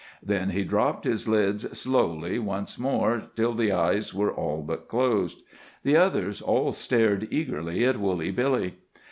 Then he dropped his lids slowly once more till the eyes were all but closed. The others all stared eagerly at Woolly Billy.